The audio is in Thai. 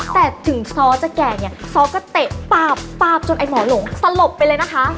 แต่ถึงซ้อจะแก่เนี่ยซ้อก็เตะป๊าบจนไอ้หมอหลงสลบไปเลยนะคะ